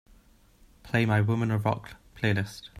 Play my Women of Rock playlist.